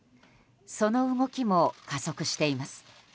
その動きも加速しています。